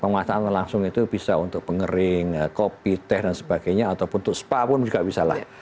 pemasangan langsung itu bisa untuk pengering kopi teh dan sebagainya ataupun untuk spa pun juga bisa lah